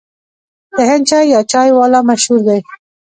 د هند چای یا چای والا مشهور دی.